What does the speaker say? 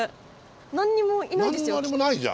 何にもいないですよ。